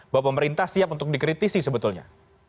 bahwa pemerintah siap untuk dikritisi sebetulnya